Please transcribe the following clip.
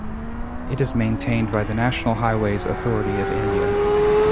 It is maintained by the National Highways Authority of India.